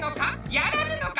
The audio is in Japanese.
やらぬのか？